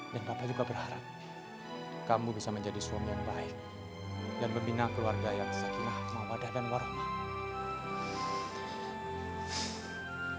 dan papa juga berharap kamu bisa menjadi suami yang baik dan membina keluarga yang sesakinah mawadah dan warohmah